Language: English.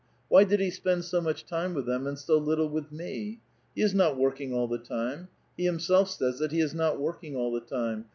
Why did he s[)end so much tiaae with them and so little with me ? He is not working all the time ; he himself says that he is not working all the time ; tha.